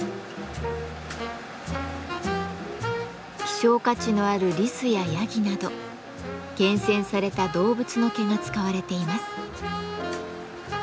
希少価値のあるリスやヤギなど厳選された動物の毛が使われています。